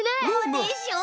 でしょ！？